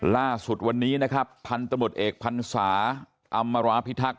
ล่าสุดวันนี้นะครับพันธมตเอกพันศาอำมราพิทักษ